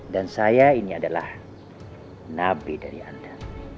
saya ini adalah nabi dari anda